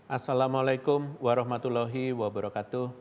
assalamualaikum warahmatullahi wabarakatuh